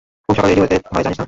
খুব সকালে রেডি হতে হয় জানিস না?